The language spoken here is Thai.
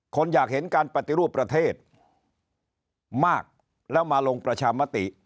คนอยากเห็นการปฏิรูปประเทศมากแล้วมาลงประชามติ